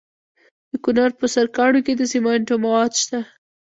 د کونړ په سرکاڼو کې د سمنټو مواد شته.